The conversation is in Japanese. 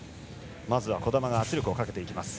まずは児玉が圧力をかけていきます。